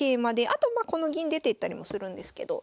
あとまあこの銀出ていったりもするんですけど。